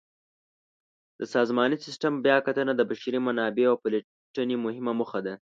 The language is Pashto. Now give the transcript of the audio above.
د سازماني سیسټم بیاکتنه د بشري منابعو پلټنې مهمه موخه ده.